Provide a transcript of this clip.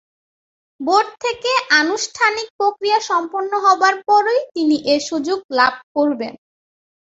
Board থেকে আনুষ্ঠানিক প্রক্রিয়া সম্পন্ন হবার পরই তিনি এ সুযোগ লাভ করবেন।